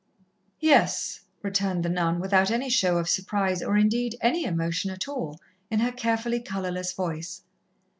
"Yes," returned the nun, without any show of surprise or indeed, any emotion at all, in her carefully colourless voice.